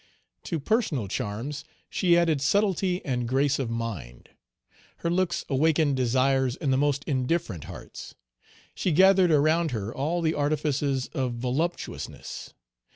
To personal charms she added subtlety and grace of mind. Her looks awakened desires in the most indifferent hearts. She gathered around her all the artifices of voluptuousness.